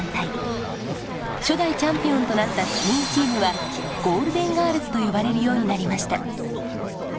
初代チャンピオンとなったスペインチームはゴールデンガールズと呼ばれるようになりました。